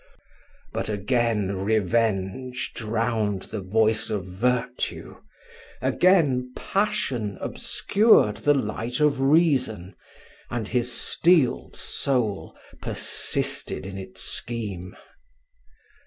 But again revenge drowned the voice of virtue again passion obscured the light of reason, and his steeled soul persisted in its scheme.